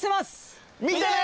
見てね。